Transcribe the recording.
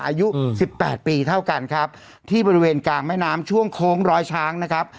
อายุสิบแปดปีเท่ากันครับที่บริเวณกลางแม่น้ำช่วงโค้งร้อยช้างนะครับ